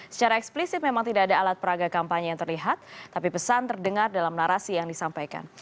secara eksplisit memang tidak ada alat peraga kampanye yang terlihat tapi pesan terdengar dalam narasi yang disampaikan